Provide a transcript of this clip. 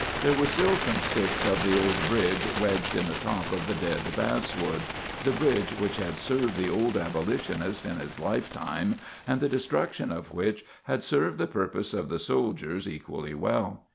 There were still some sticks of the old bridge wedged in the top of the dead basswood the bridge which had served the old abolitionist in his lifetime, and the destruction of which had served the purpose of the soldiers equally well.